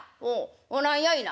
「おお何やいな？」。